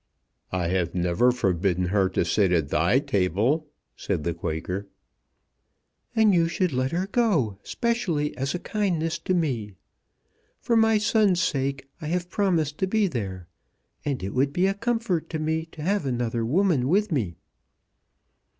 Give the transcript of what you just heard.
"I have never forbidden her to sit at thy table," said the Quaker. "And you should let her go specially as a kindness to me. For my son's sake I have promised to be there, and it would be a comfort to me to have another woman with me."